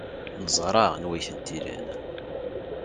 Neẓra anwa ay tent-ilan.